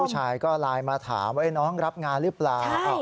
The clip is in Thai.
ผู้ชายก็ไลน์มาถามว่าน้องรับงานหรือเปล่า